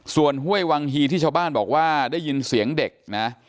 ส่วนห้วยวังฮีที่ชาวบ้านบอกว่าได้ยินเสียงเด็กนะ